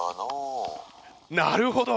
なるほど！